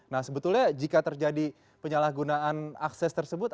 nah sebetulnya jika terjadi penyalahgunaan akses tersebut